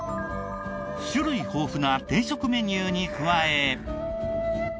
種類豊富な定食メニューに加え。